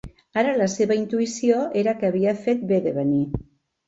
Ara la seva intuïció era que havia fet bé de venir.